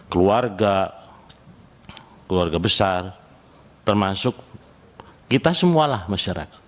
keluarga keluarga besar termasuk kita semualah masyarakat